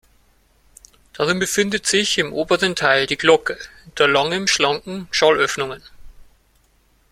Darin befindet sich im oberen Teil die Glocke hinter langen schlanken Schallöffnungen.